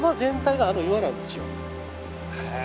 へえ。